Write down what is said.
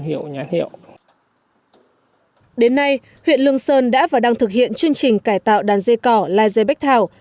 đến nay huyện lương sơn đã và đang thực hiện chương trình cải tạo đàn dê cỏ lai dê bách thảo